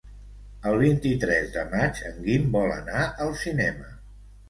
El vint-i-tres de maig en Guim vol anar al cinema.